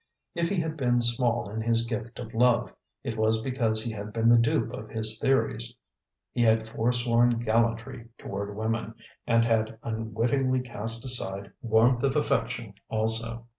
If he had been small in his gift of love, it was because he had been the dupe of his theories; he had forsworn gallantry toward women, and had unwittingly cast aside warmth of affection also.